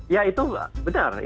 ya itu benar